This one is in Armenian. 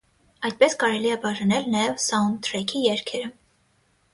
Այդպես կարելի է բաժանել նաև սաունդթրեքի երգերը։